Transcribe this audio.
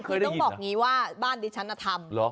คือต้องบอกอย่างนี้ว่าบ้านดิฉันทำ